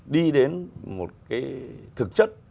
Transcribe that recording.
đi đến một cái thực chất